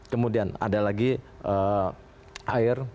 kemudian ada lagi air